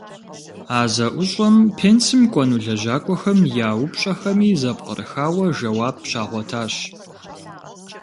А зэӏущӏэм пенсым кӏуэну лэжьакӏуэхэм я упщӀэхэми зэпкърыхауэ жэуап щагъуэтащ.